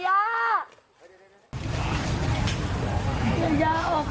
ยาย่าออกมาเพราะลูก